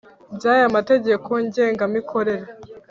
by aya Mategeko Ngengamikorere